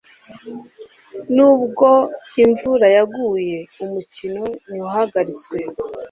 Nubwo imvura yaguye, umukino ntiwahagaritswe.